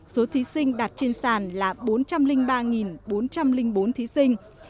số thí sinh đạt trên sàn là bốn trăm linh ba bốn trăm linh bốn thí sinh